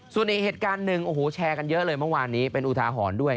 ส่วนอีกเหตุการณ์หนึ่งโอ้โหแชร์กันเยอะเลยเมื่อวานนี้เป็นอุทาหรณ์ด้วย